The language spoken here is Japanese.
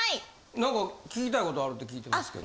何か聞きたい事あるって聞いてますけど。